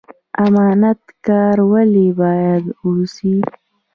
امانت کاره ولې باید اوسو؟